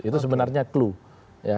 itu sebenarnya clue